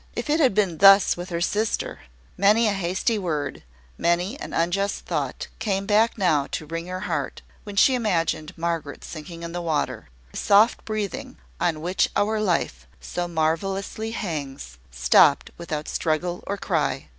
If it had been thus with her sister! Many a hasty word, many an unjust thought, came back now to wring her heart, when she imagined Margaret sinking in the water, the soft breathing on which our life so marvellously hangs, stopped without struggle or cry.